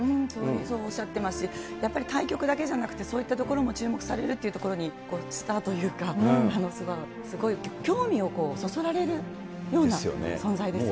そうおっしゃってますし、やっぱり対局だけじゃなくて、そういったところも注目されるというところにスターというか、すごい興味をそそられるような、存在ですよね。